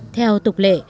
theo tục lệ